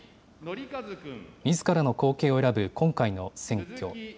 みずからの後継を選ぶ今回の選挙。